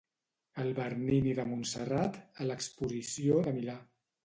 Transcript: El Bernini de Montserrat a l'exposició de Milà.